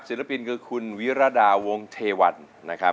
ศิลปินเธอคุณวิรดาวงเทวัน